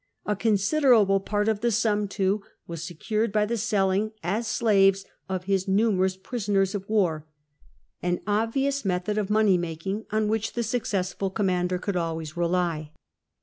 A considerable part of the sum, too, was secured by the selling as slaves of his numerous prisoners of war, an obvious method of money making on which the successful commander could always rely.